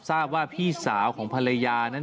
ทราบว่าพี่สาวของภรรยานั้น